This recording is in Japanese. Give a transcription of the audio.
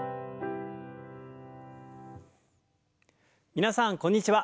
皆さんこんにちは。